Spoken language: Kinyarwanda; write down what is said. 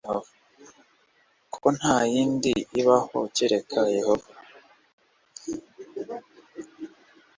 ko nta yindi ibaho kereka yehova